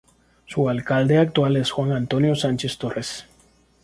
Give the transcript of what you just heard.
Su alcalde actual es Juan Antonio Sánchez Torres.